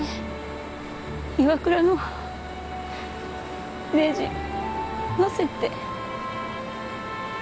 ＩＷＡＫＵＲＡのねじ載せて。